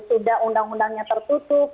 sudah undang undangnya tertutup